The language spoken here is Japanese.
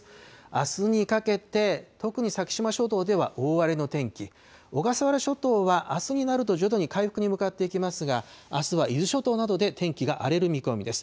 あすにかけて、特に先島諸島では大荒れの天気、小笠原諸島は、あすになると徐々に回復に向かっていきますが、あすは伊豆諸島などで天気が荒れる見込みです。